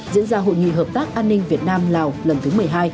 diễn ra hội nghị hợp tác an ninh việt nam lào lần thứ một mươi hai